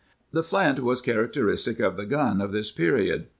^ The flint was characteristic of the gun of this period.